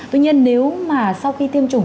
tuy nhiên nếu mà sau khi tiêm chủng